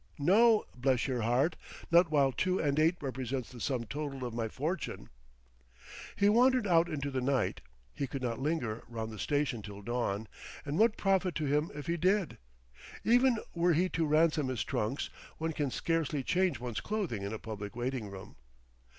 "No, bless your heart! not while two and eight represents the sum total of my fortune." He wandered out into the night; he could not linger round the station till dawn; and what profit to him if he did? Even were he to ransom his trunks, one can scarcely change one's clothing in a public waiting room.